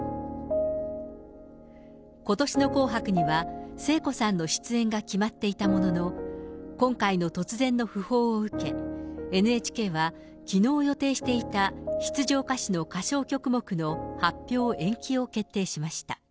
ことしの紅白には、聖子さんの出演が決まっていたものの、今回の突然の訃報を受け、ＮＨＫは、きのう予定していた出場歌手の歌唱曲目の発表延期を決定しました。